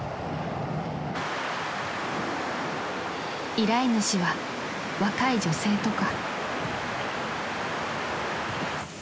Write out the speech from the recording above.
［依頼主は若い女性とか］